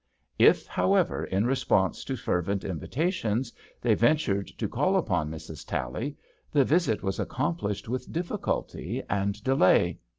If, however, in response to fervent invitations, they ventured to call upon Mrs. Tally, the visit was accomplished with difficulty and delay.